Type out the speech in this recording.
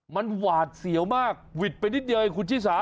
มันหวาดเสียวมากหวิดไปนิดเดียวเองคุณชิสา